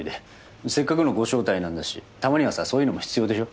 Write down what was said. せっかくのご招待なんだしたまにはさそういうのも必要でしょ。